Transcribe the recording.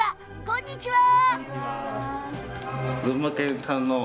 こんにちは。